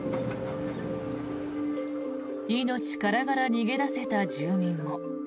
命からがら逃げ出せた住民も。